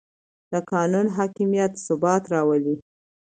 د قانون حاکمیت ثبات راولي